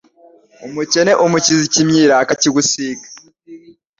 Umukene umukiza ikimyira akakigusiga